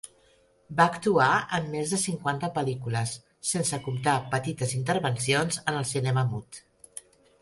Va actuar en més de cinquanta pel·lícules, sense comptar petites intervencions en el cinema mut.